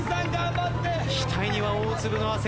額には大粒の汗。